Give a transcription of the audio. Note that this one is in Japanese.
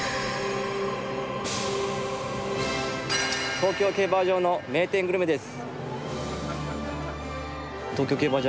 東京競馬場の名店グルメです。